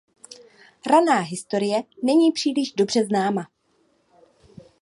Raná historie není příliš dobře známa.